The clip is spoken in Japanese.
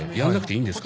いいですか？